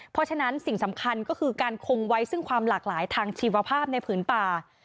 เพราะฉะนั้นสิ่งสำคัญก็คือการคงไว้ซึ่งความหลากหลายทางชีวภาพในผืนป่า